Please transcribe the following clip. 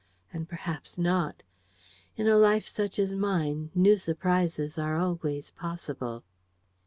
And perhaps not. In a life such as mine, new surprises are always possible.